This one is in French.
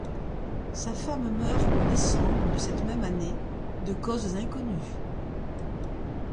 Sa femme meurt en décembre de cette même année de causes inconnues.